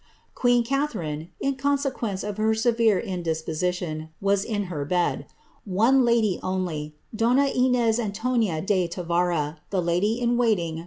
Qixen Catharine, in consequence of her severe indisposition, was in her bed One lady only, donna Inez Antonia de Tavora, the lady in waiting for * MS.